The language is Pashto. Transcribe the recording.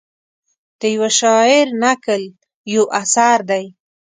د یوه شاعر نکل یو اثر دی.